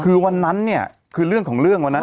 คือวันนั้นเนี่ยคือเรื่องของเรื่องวันนั้น